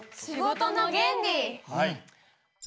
はい。